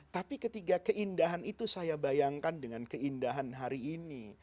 tapi ketiga keindahan itu saya bayangkan dengan keindahan hari ini